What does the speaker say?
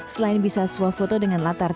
selain bisa swafoto dengan latar tiga d